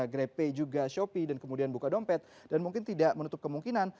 grepe juga shopee dan kemudian buka dompet dan mungkin tidak menutup kemungkinan